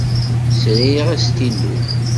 Sriɣ astilu.